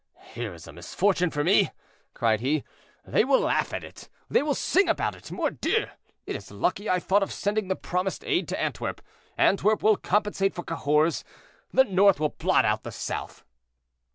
"Here is a misfortune for me," cried he; "they will laugh at it: they will sing about it. Mordieu! it is lucky I thought of sending the promised aid to Antwerp; Antwerp will compensate for Cahors; the north will blot out the south."